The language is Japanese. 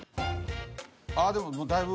ああでもだいぶ。